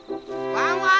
ワンワン